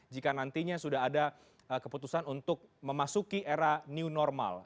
jika nantinya sudah ada keputusan untuk memasuki era new normal